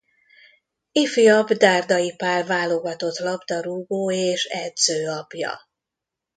Ifjabb Dárdai Pál válogatott labdarúgó és edző apja.